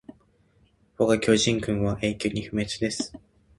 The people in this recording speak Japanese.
わが巨人軍は永久に不滅です